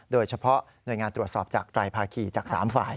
โดยเฉพาะหน่วยงานตรวจสอบจากไตรภาคีจาก๓ฝ่าย